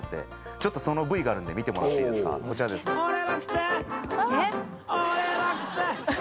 ちょっとそのＶＴＲがあるんで見てもらっていいですかこちら。